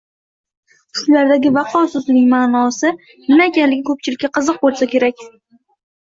Shulardagi vaqo so‘zining ma’nosi nima ekanligi ko‘pchilikka qiziq bo‘lsa kerak.